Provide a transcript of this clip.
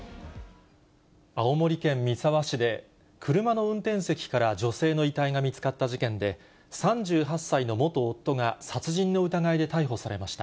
青森県三沢市で、車の運転席から女性の遺体が見つかった事件で、３８歳の元夫が殺人の疑いで逮捕されました。